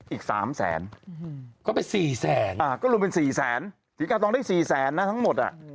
อีก๓แสนก็รวมเป็น๔แสนฐิกาตองได้๔แสนทั้งหมด